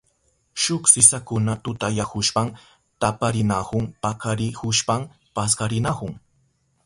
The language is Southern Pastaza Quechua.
Shuk sisakuna tutayahushpan taparinahun pakarihushpan paskarinahun.